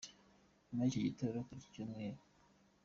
Nyuma y’icyo gitero, kuri iki Cyumweru, Amb.